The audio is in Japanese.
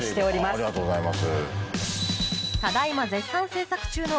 ありがとうございます。